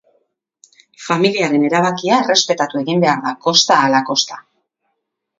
Familiaren erabakia errespetatu egin behar da kosta ahala kosta.